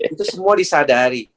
itu semua disadari